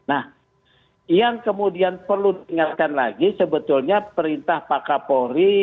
nah yang kemudian perlu diingatkan lagi sebetulnya perintah pak kapolri